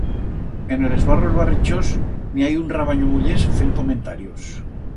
En el esbarro el Barrichós n'i hai un rabanyo mullers fend comentarios.